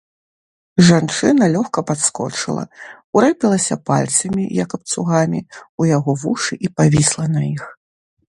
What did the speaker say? Жанчына лёгка падскочыла, урэпілася пальцамі, як абцугамі, у яго вушы і павісла на іх.